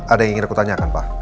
ada yang ingin aku tanyakan pak